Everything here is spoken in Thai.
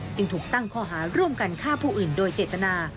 จึงถูกตั้งข้อหาร่วมกันฆ่าผู้อื่นโดยเจตนา